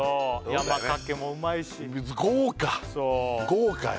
山かけもうまいし豪華豪華よ